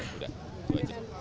sudah itu aja